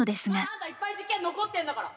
まだいっぱい事件残ってるんだから。